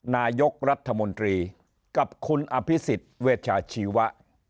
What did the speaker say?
นายกรัฐมนตรีกับคุณอภิษฎเวชาชีวะ